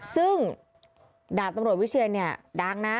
ซึ่งดาบตำรวจวิเชียนเนี่ยดังนะ